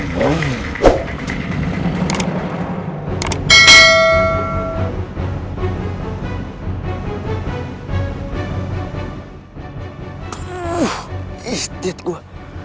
tuh istirahat gue